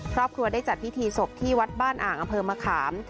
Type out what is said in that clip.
ครอบครัวได้จัดพิธีศพที่วัดบ้านอ่างอำเภอมะขาม